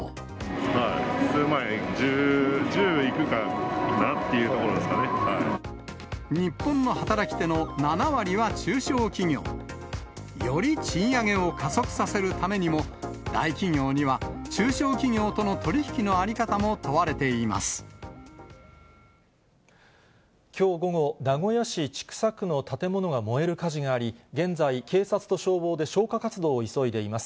プラス１０いくかなっていう日本の働き手の７割は中小企業。より賃上げを加速させるためにも、大企業には中小企業との取り引ききょう午後、名古屋市千種区の建物が燃える火事があり、現在、警察と消防で消火活動を急いでいます。